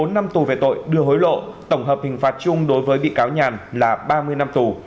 bốn năm tù về tội đưa hối lộ tổng hợp hình phạt chung đối với bị cáo nhàn là ba mươi năm tù